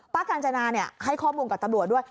ป๊ากกาญจนาเนี่ยให้ข้อมูลกับตำรวจด้วย